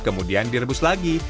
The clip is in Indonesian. kemudian direbus lagi